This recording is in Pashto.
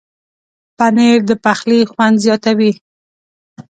پنېر د پخلي خوند زیاتوي.